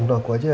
untuk aku aja